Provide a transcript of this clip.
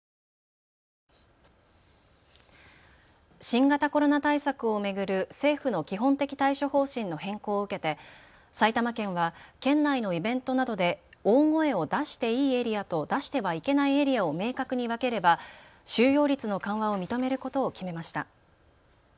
新型コロナ対策を巡る政府の基本的対処方針の変更を受けて埼玉県は県内のイベントなどで大声を出していいエリアと出してはいけないエリアを明確に分ければ収容率の緩和を認めることを決めました。